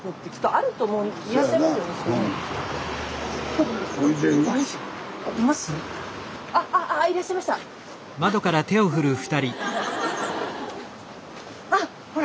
あっほら！